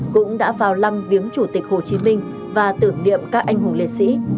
cũng đã vào lăng viếng chủ tịch hồ chí minh và tưởng niệm các anh hùng liệt sĩ